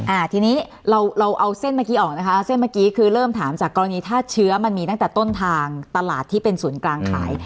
อ่าทีนี้เราเราเอาเส้นเมื่อกี้ออกนะคะเส้นเมื่อกี้คือเริ่มถามจากกรณีถ้าเชื้อมันมีตั้งแต่ต้นทางตลาดที่เป็นศูนย์กลางขาย